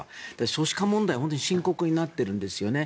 少子化問題が本当に深刻になっているんですよね。